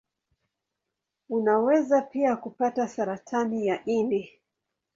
Unaweza pia kupata saratani ya ini.